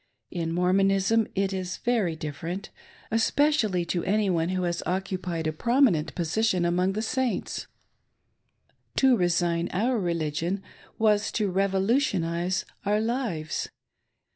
^ In Mor monism it is very different, especially to any one who has 603 THE BREAKING OF BdNDS. occupied a prominent position among the Saints. To resign our religion was to revolutionize our lives.